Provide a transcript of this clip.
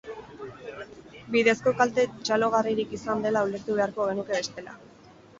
Bidezko kalte txalogarririk izan dela ulertu beharko genuke bestela.